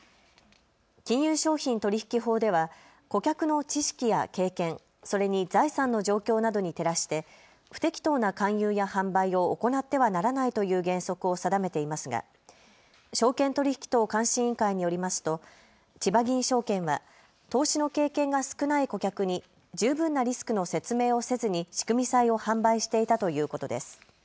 金融商品取引法では顧客の知識や経験、それに財産の状況などに照らして不適当な勧誘や販売を行ってはならないという原則を定めていますが証券取引等監視委員会によりますとちばぎん証券は投資の経験が少ない顧客に十分なリスクの説明をせずに仕組み債を販売していたということです。